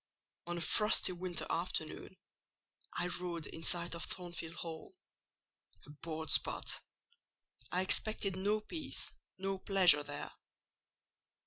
"On a frosty winter afternoon, I rode in sight of Thornfield Hall. Abhorred spot! I expected no peace—no pleasure there.